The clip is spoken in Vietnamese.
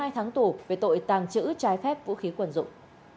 một mươi hai tháng tù về tội tàng trữ trái phép vũ khí quân dụng